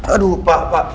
aduh pak pak